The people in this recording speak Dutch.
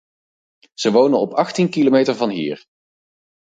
Ze wonen op achttien kilometer van hier.